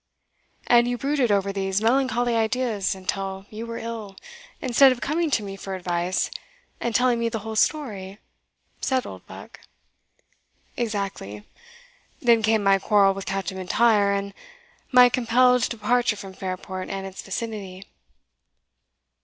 "And you brooded over these melancholy ideas until you were ill, instead of coming to me for advice, and telling me the whole story?" said Oldbuck. "Exactly; then came my quarrel with Captain M'Intyre, and my compelled departure from Fairport and its vicinity."